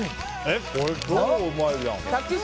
これ、超うまいじゃん。